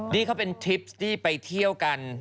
นี่เขาเป็นทริปที่ไปเที่ยวกัน